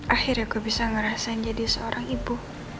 akhirnya gue bisa ngerasain jadi seorang ibu